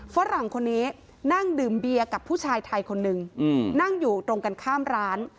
ฝรั่งคนนี้นั่งดื่มเบียร์กับผู้ชายไทยคนหนึ่งนั่งอยู่ตรงกันข้ามร้าน